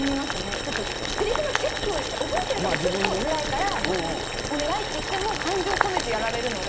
ちょっとせりふのチェックをしたい、覚えてるかチェックをしたいから、お願いって言っても、感情込めてやられるので。